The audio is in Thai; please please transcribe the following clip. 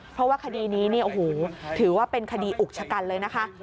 เพราะว่าคดีนี้ถือว่าเป็นคดีอุกชกันเลยนะคะ